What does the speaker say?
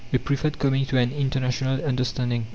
They preferred coming to an international understanding.